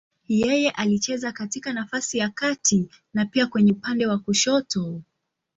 Yeye alicheza katika nafasi ya kati na pia kwenye upande wa kushoto.